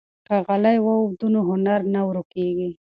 که غالۍ ووبدو نو هنر نه ورکيږي.